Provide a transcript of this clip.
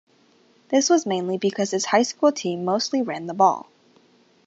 This was mainly because his high school team mostly ran the ball.